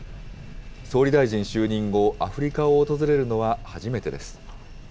総理大臣就任後、アフリカを訪れるのは初めてです。